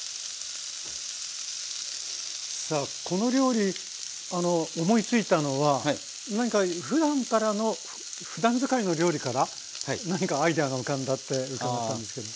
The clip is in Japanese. さあこの料理思いついたのは何かふだんからのふだん使いの料理から何かアイデアが浮かんだって伺ったんですけど。